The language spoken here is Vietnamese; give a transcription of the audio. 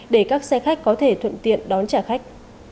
để các xe khách có thể thuận tiện đón trả khách